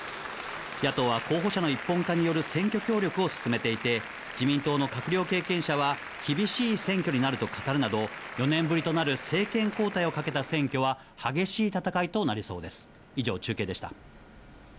野党は候補者の一本化による選挙協力を進めていて、自民党の閣僚経験者は、厳しい選挙になると語るなど、４年ぶりとなる政権交代をかけた選挙は激しい戦いとなりそうです。